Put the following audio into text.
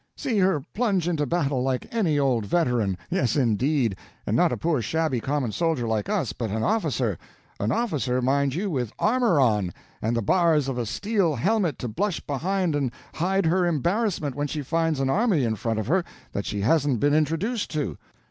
—see her plunge into battle like any old veteran. Yes, indeed; and not a poor shabby common soldier like us, but an officer—an officer, mind you, with armor on, and the bars of a steel helmet to blush behind and hide her embarrassment when she finds an army in front of her that she hasn't been introduced to.